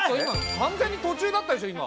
完全に途中だったでしょ今。